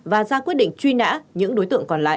và ra quyết định truy nã những đối tượng còn lại